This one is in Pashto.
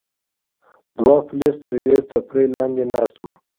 دوه پولیس تر یوې څپرې لاندې ناست وو.